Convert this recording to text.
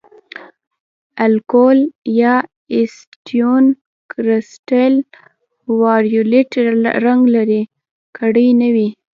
الکول یا اسیټون کرسټل وایولېټ رنګ لرې کړی نه وي.